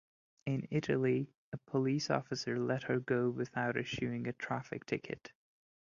In Italy, a police officer let her go without issuing a traffic ticket.